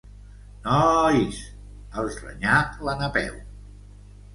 Noooois! —els renyà la Napeu.